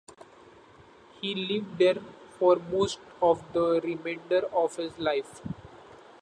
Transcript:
He lived there for most of the remainder of his life.